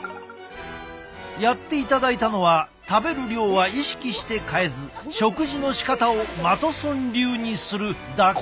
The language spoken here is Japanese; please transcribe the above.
やっていただいたのは食べる量は意識して変えず食事の仕方をマトソン流にするだけ。